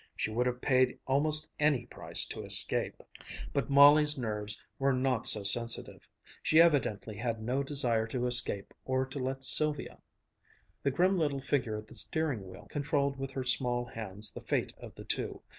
She would have paid almost any price to escape. But Molly's nerves were not so sensitive. She evidently had no desire to escape or to let Sylvia. The grim little figure at the steering wheel controlled with her small hands the fate of the two.